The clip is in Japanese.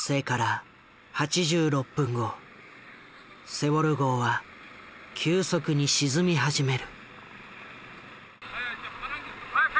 セウォル号は急速に沈み始める。